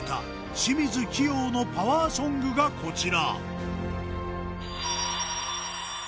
清水希容のパワーソングがこちら